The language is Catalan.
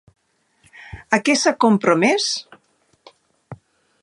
A què s'ha compromès?